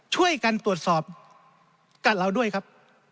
ช่วยกันตรวจสอบกับเราด้วยครับ